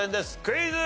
クイズ。